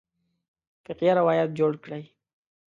فقیه روایت جوړ کړی.